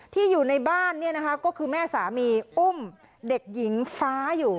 อยู่ในบ้านเนี่ยนะคะก็คือแม่สามีอุ้มเด็กหญิงฟ้าอยู่